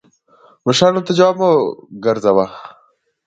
مشرانو ته جواب مه ګرځوه